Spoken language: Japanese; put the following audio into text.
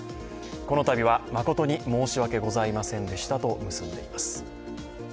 このたびは誠に申し訳ございませんでしたと結んでいます。